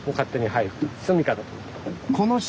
はい。